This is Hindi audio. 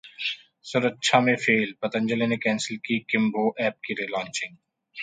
सुरक्षा में फेल, पतंजलि ने कैंसिल की किंभो ऐप की रिलॉन्चिंग